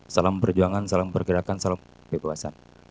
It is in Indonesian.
salam perjuangan salam pergerakan salam kebebasan